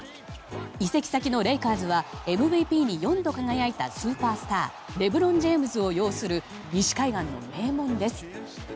移籍先のレイカーズはＭＶＰに４度輝いたスーパースターレブロン・ジェームズを擁する西海岸の名門です。